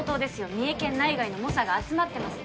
三重県内外の猛者が集まってます